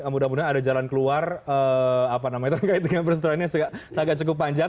mudah mudahan ada jalan keluar apa namanya itu dengan persetujuan yang agak cukup panjang